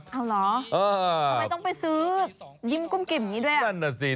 อ๋อเหรอทำไมต้องไปซื้อยิ้มกุ้มกิ่มอย่างนี้ด้วย